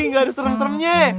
gak ada serem seremnya